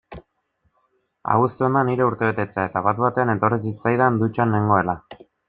Abuztuan da nire urtebetetzea eta bat-batean etorri zitzaidan, dutxan nengoela.